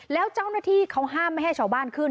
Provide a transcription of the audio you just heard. แล้วเจ้าหน้าที่เขาห้ามไม่ให้ชาวบ้านขึ้น